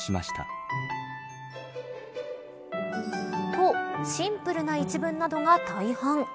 とシンプルな一文などが大半。